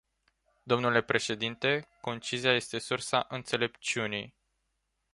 Dle președinte, concizia este sursa înțelepciunii.